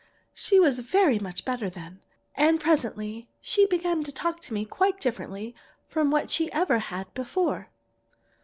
"She was very much better then, and presently she began to talk to me quite differently from what she ever had before.